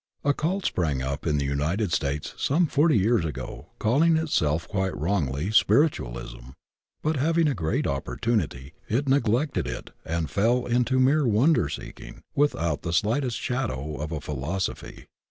A cult sprang up in the United States some forty years ago calling itself quite wrongly "spiritualism," but having a great opportunity it neglected it and fell into mere wonderseeking without the sUghtest shadow of a phil osophy.